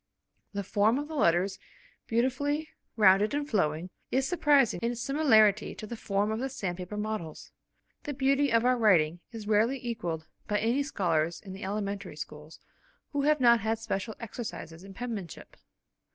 The form of the letters, beautifully rounded and flowing, is surprising in its similarity to the form of the sandpaper models. The beauty of our writing is rarely equalled by any scholars in the elementary schools, who have not had special exercises in penmanship.